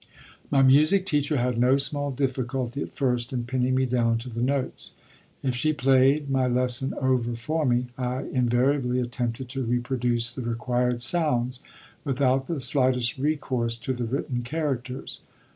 My music teacher had no small difficulty at first in pinning me down to the notes. If she played my lesson over for me, I invariably attempted to reproduce the required sounds without the slightest recourse to the written characters.